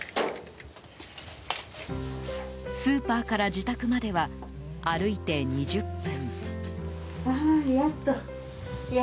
スーパーから自宅までは歩いて２０分。